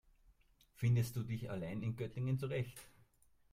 Findest du dich allein in Göttingen zurecht?